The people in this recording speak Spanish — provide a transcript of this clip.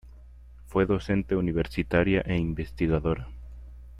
Fue docente universitaria e investigadora.